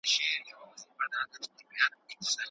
پولیسو له تېرو ورځو راهیسې تورن کسان څارل.